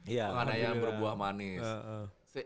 iya penganeian berbuah manis